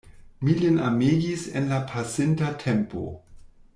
Mi lin amegis en la pasinta tempo.